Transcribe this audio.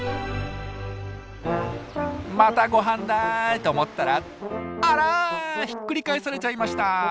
またごはんだと思ったらあらひっくり返されちゃいました。